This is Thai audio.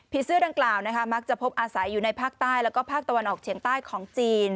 เสื้อดังกล่าวมักจะพบอาศัยอยู่ในภาคใต้แล้วก็ภาคตะวันออกเฉียงใต้ของจีน